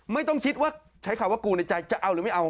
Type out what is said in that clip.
ไม่ต้องคิดว่าใช้คำว่ากูในใจจะเอาหรือไม่เอา